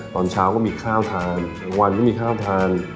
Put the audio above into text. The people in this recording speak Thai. ตอนเช้าก็มีข้าวทานบางวันก็มีข้าวทาน